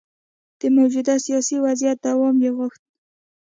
د موجوده سیاسي وضعیت دوام یې غوښت.